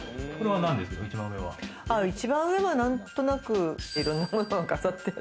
一番上は何となく自分のもの飾ってる。